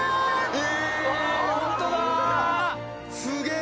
え！